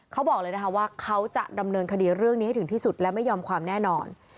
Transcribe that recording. เขาบอกเลยนะคะว่าเขาจะดำเนินคดีเรื่องนี้ให้ถึงที่สุดและไม่ยอมความแน่นอน